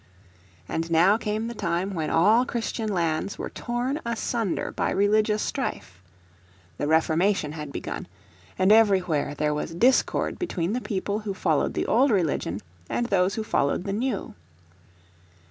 And now came the time when all Christian lands were torn asunder by religious strife. The Reformation had begun, and everywhere there was discord between the people who followed the old religion and those who followed the new.